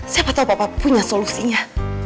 siapa tahu papa punya solusinya